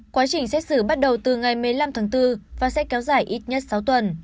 quá trình xét xử bắt đầu từ ngày một mươi năm tháng bốn và sẽ kéo dài ít nhất sáu tuần